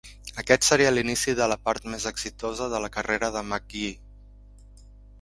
Aquest seria l'inici de la part més exitosa de la carrera de McGhee.